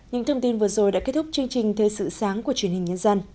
những thông tin vừa rồi đã kết thúc chương trình thế sự sáng của truyền hình nhân dân